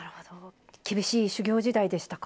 厳しい修業時代でしたか？